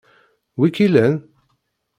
Wi i k-ilan?